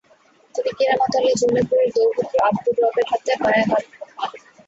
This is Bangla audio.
তিনি কেরামত আলী জৈনপুরীর দৌহিত্র আবদুর রবের হাতে বায়আত হন।